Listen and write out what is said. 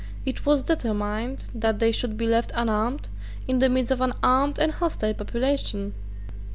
It was determined that they should be left unarmed in the midst of an armed and hostile population.